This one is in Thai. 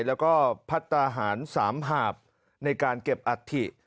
แล้วก็พัฒนาหาร๓หาบในการเก็บอัฐิ